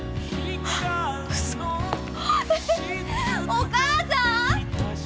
お母さん！